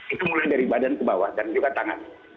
itu mulai dari badan ke bawah dan juga tangan